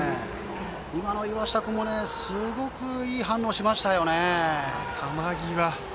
今の岩下君もすごくいい反応しましたよね！